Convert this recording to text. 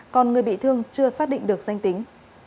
còn người bị thương chưa xác định được danh tính